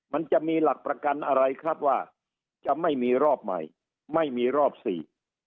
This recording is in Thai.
มันจะมีหลักประกันอะไรครับว่าจะไม่มีรอบใหม่ไม่มีรอบสี่